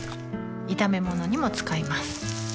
炒め物にも使います